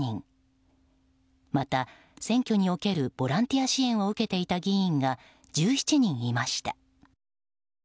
また、選挙におけるボランティア支援を受けていた議員が１７人いました。